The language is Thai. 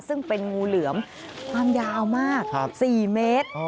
ซึ่งเป็นงูเหลือมความยาวมาก๔เมตร